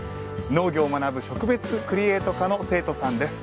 農業を学ぶ植物クリエイト科の生徒さんです。